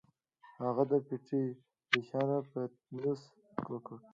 هغه د پټۍ د شيانو پتنوس وکوت.